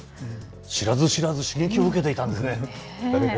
知らず知らず、刺激を受けていたんですね。